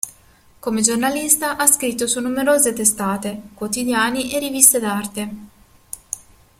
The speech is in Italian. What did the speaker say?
Come giornalista ha scritto su numerose testate, quotidiani e riviste d'arte.